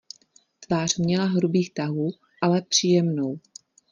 Tvář měla hrubých tahů, ale příjemnou.